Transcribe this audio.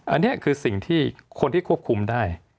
อันนี้คือสิ่งที่คนที่ควบคุมได้